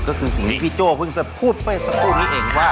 ก็คือสิ่งที่พี่โจ้เพิ่งจะพูดไปสักครู่นี้เองว่า